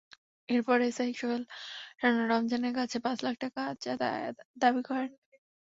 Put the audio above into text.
এরপর এসআই সোহেল রানা রমজানের কাছে পাঁচ লাখ টাকা চাঁদা দাবি করেন।